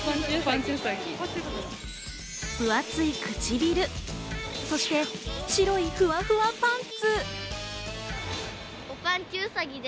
分厚い唇、そして白いふわふわパンツ。